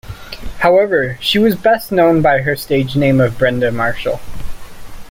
However, she was best known by her stage name of Brenda Marshall.